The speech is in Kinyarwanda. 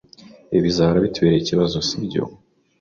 Ibi bizahora bitubera ikibazo, sibyo?